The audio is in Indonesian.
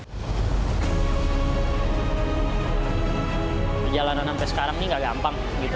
kalau misalnya indonesia sebut nama ke japanese kabar